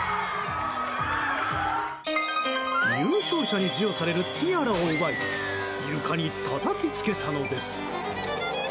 優勝者に授与されるティアラを奪い床にたたきつけたのです。